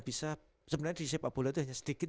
bisa sebenarnya di sipa bulet itu hanya sedikit